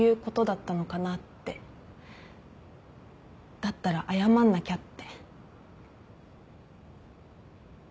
だったら謝んなきゃって。